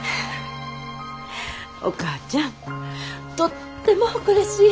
お母ちゃんとっても誇らしい。